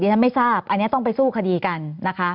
เดี๋ยวไม่ทราบอันเนี่ยต้องไปสู้คดีกันนะคะ